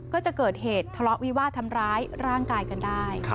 ก็จะเกิดเหตุทะเลาะวิวาดทำร้ายร่างกายกันได้